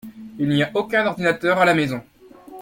Il n’y a aucun ordinateur à la maison.